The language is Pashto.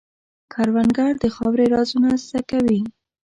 کروندګر د خاورې رازونه زده کوي